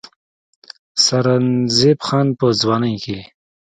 سرنزېب خان پۀ ځوانۍ کښې